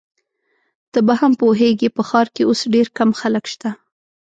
ته به هم پوهیږې، په ښار کي اوس ډېر کم خلک شته.